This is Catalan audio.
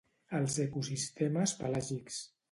Els ecosistemes pelàgics